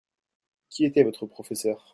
Qui était votre professeur ?